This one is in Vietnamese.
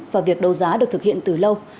và việc đầu giá được thực hiện từ lâu